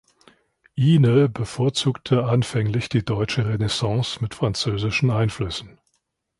Ihne bevorzugte anfänglich die deutsche Renaissance mit französischen Einflüssen.